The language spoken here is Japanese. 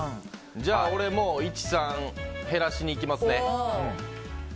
じゃあ俺、もう１、３を減らしに行きますね。